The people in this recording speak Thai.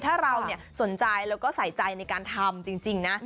ถ้าเราสนใจแล้วก็ใส่ใจในการทำจริงนะ